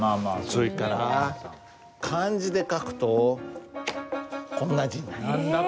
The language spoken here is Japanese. それから漢字で書くとこんな字になります。